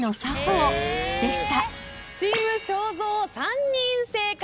チーム正蔵３人正解。